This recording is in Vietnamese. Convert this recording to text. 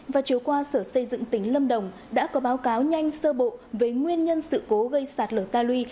và chiều qua sở xây dựng tỉnh lâm đồng đã có báo cáo nhanh sơ bộ về nguyên nhân sự cố gây sạt lở ta lui